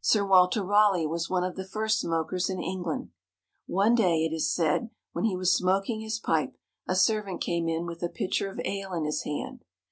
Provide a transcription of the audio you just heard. Sir Walter Raleigh was one of the first smokers in England. One day, it is said, when he was smoking his pipe a servant came in with a pitcher of ale in his hand.